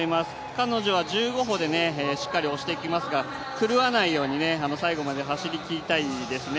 彼女は１５歩でしっかり押してきますが狂わないように最後まで走りきりたいですね。